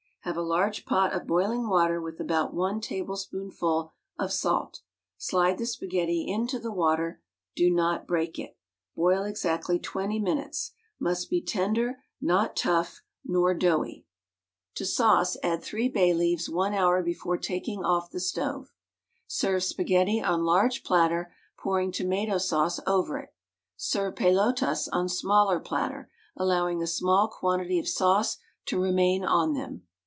Have a large pot of boiling water with about one table spoonful of salt. Slide the spaghetti into the water. Do not break it. Boil exactly twenty minutes. Must be tender, not tough nor doughy. THE STAG COOK BOOK To sauce, add three bay leaves one hour before taking off the stove. Serve spaghetti on large platter, pouring tomato sauce over it. Serve pelotas on smaller platter, allow^ing a small quantity of sauce to remain on them.